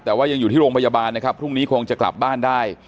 แต่ว่ายังอยู่ที่โรงพยาบาลนะครับพรุ่งนี้คงจะกลับบ้านได้